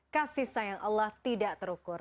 kasih sayang allah tidak terukur